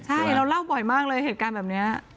ใช่เราเล่าบ่อยมากเลยเหตุการณ์แบบนี้